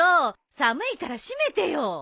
寒いから閉めてよ。